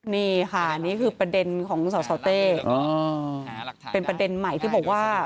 นี่ค่ะนี่คือประเด็นของประเด็นใหม่ที่บอกว่า